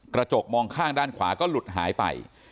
กระจกมองข้างด้านขวาก็หลุดหายไป